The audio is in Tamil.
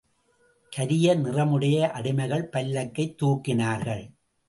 கரிய நிறமுடைய அடிமைகள் பல்லக்கைத் தூக்கினார்கள்.